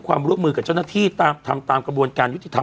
ความร่วมมือกับเจ้าหน้าที่ทำตามกระบวนการยุติธรรม